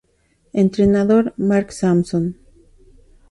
Entrenador: Mark Sampson